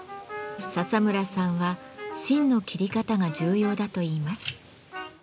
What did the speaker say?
笹村さんは芯の切り方が重要だといいます。